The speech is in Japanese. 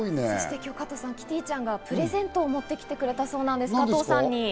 今日はキティちゃんがプレゼントを持ってきてくれたそうなんです、加藤さんに。